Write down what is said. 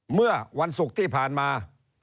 เมื่อวันศุกร์ที่ผ่านมา